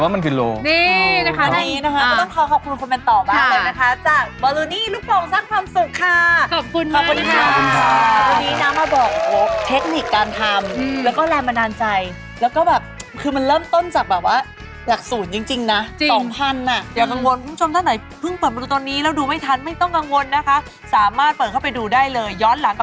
ไม่เอาลูกปกแตก